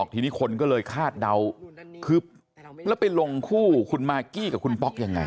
ทีนี้คนก็เลยคาดเดาคือแล้วไปลงคู่คุณมากกี้กับคุณป๊อกยังไง